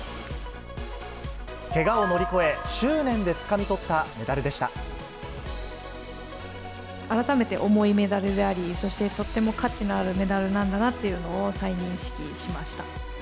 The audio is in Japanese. けがを乗り越え、改めて重いメダルであり、そしてとっても価値のあるメダルなんだなっていうのを再認識しました。